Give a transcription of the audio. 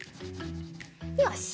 よし！